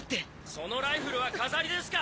そのライフルは飾りですか？